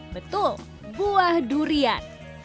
betul buah durian